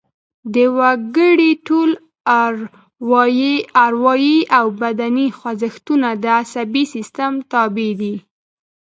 د وګړي ټول اروايي او بدني خوځښتونه د عصبي سیستم تابع دي